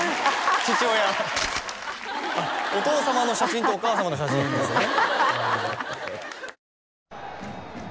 父親あっお父様の写真とお母様の写真ですよね？